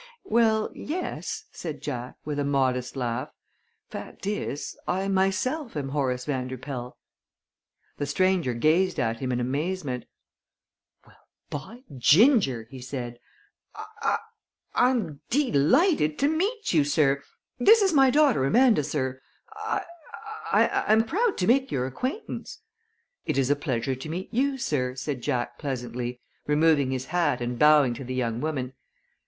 "Well, yes," said Jack, with a modest laugh. "Fact is, I myself am Horace Vanderpoel." The stranger gazed at him in amazement. "Well, by ginger!" he said. "I I I'm dee lighted to meet you, sir. This is my daughter Amanda, sir. I I I'm proud to make your acquaintance." "It is a pleasure to meet you, sir," said Jack, pleasantly, removing his hat and bowing to the young woman.